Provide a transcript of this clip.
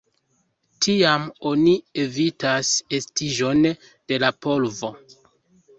Tiam oni evitas estiĝon de polvo.